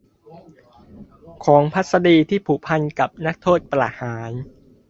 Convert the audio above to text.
ของพัศดีที่ผูกพันกับนักโทษประหาร